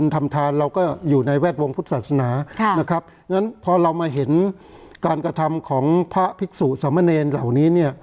ทำทานเราก็อยู่ในแวดวงพุทธศาสนาค่ะนะครับงั้นพอเรามาเห็นการกระทำของพระภิกษุสมเนรเหล่านี้เนี่ย